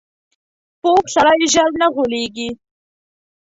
پوخ سړی ژر نه غولېږي